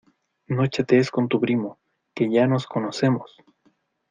No chatees con tu primo, ¡que ya nos conocemos!